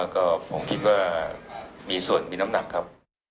ก็ผมคิดว่ามีส่วนมีน้ำหนักครับ